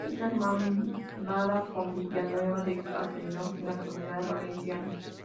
Está hermanada con Villanueva de Castellón, en la Comunidad Valenciana.